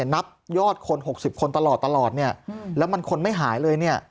นับยอดคน๖๐คนตลอดแล้วมันคนไม่หายเลย